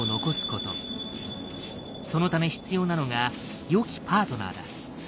そのため必要なのがよきパートナーだ。